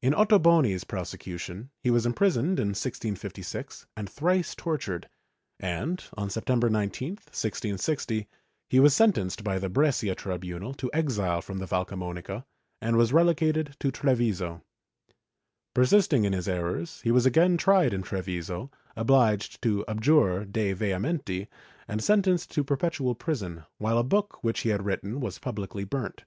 In Otto boni's prosecution, he was imprisoned in 1656 and thrice tortured, and, on September 19, 1660, he was sentenced by the Brescia tribunal to exile from the Valcamonica and was relegated to Treviso. Persisting in his errors, he was again tried in Treviso, obliged to abjure de vehementi and sentenced to perpetual prison, while a book which he had written was publicly burnt.